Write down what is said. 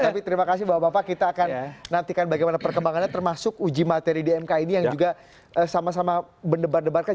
tapi terima kasih bapak bapak kita akan nantikan bagaimana perkembangannya termasuk uji materi di mk ini yang juga sama sama mendebar debarkan